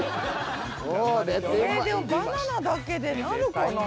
えでもバナナだけでなるかな？